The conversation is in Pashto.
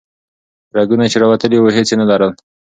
رګونه چې راوتلي وو هیڅ یې نه لرل.